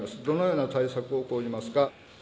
どのような対策を講じますか。